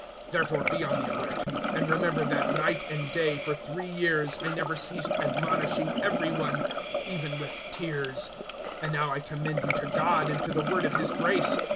020:031 Therefore be on the alert; and remember that, night and day, for three years, I never ceased admonishing every one, even with tears. 020:032 "And now I commend you to God and to the word of His grace.